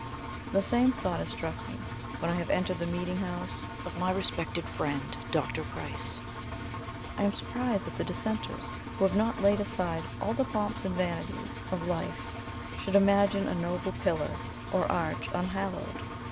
The same thought has struck me, when I have entered the meeting house of my respected friend, Dr. Price. I am surprised that the dissenters, who have not laid aside all the pomps and vanities of life, should imagine a noble pillar, or arch, unhallowed.